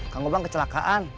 kang kobang kecelakaan